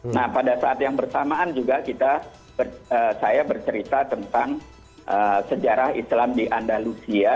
nah pada saat yang bersamaan juga kita saya bercerita tentang sejarah islam di andalusia